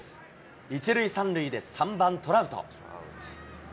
１塁３塁で３番トラウト。